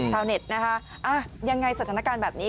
เน็ตนะคะยังไงสถานการณ์แบบนี้